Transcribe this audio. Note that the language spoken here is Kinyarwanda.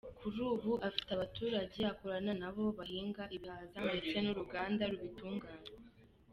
Kuri ubu, afite abaturage akorana na bo bahinga ibihaza ndetse n’Uruganda rubitunganya.